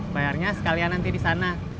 bayarnya sekalian nanti di sana